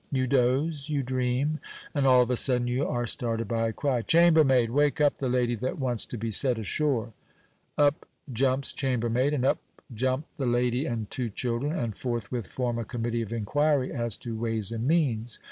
You doze, you dream, and all of a sudden you are started by a cry, "Chambermaid! wake up the lady that wants to be set ashore." Up jumps chambermaid, and up jump the lady and two children, and forthwith form a committee of inquiry as to ways and means.